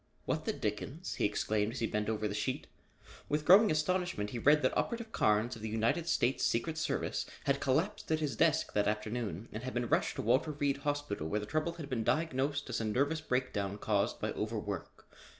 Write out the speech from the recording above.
"What the dickens?" he exclaimed as he bent over the sheet. With growing astonishment he read that Operative Carnes of the United States Secret Service had collapsed at his desk that afternoon and had been rushed to Walter Reed Hospital where the trouble had been diagnosed as a nervous breakdown caused by overwork.